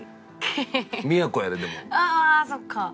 ああそっか。